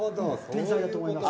天才だと思います。